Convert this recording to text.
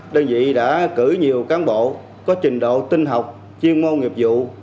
đơn vị đã cử nhiều cán bộ có trình độ tinh học chuyên môn nghiệp vụ